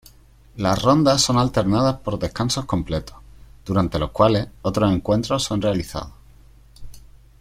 Las rondas son alternadas por descansos completos; durante los cuales, otros encuentros son realizados.